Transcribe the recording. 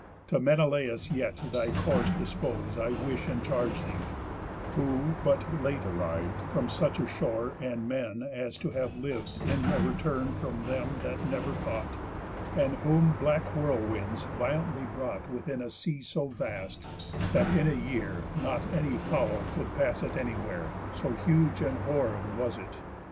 To Menelaus yet thy course dispose I wish and charge thee; who but late arriv'd From such a shore and men, as to have liv'd In a return from them he never thought, And whom black whirlwinds violently brought Within a sea so vast, that in a year Not any fowl could pass it anywhere, So huge and horrid was it.